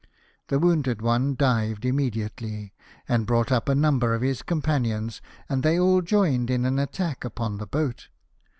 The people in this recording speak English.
The wounded one dived immediately, and brought up a number of its companions ; and they all joined in an attack upon the boat.